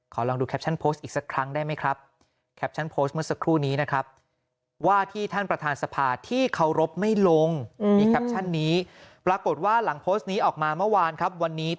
ลองดูแคปชั่นโพสต์อีกสักครั้งได้ไหมครับวันนี้